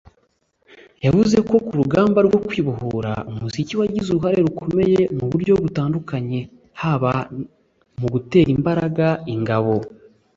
yavuze ko ku rugamba rwo kwibohora umuziki wagize uruhare rukomeye mu buryo butandukanye haba mu gutera imbaraga ingabo